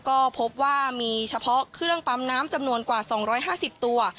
ก็พบว่ามีเฉพาะเครื่องปั๊มน้ำจำนวนกว่าสองร้อยห้าสิบตัว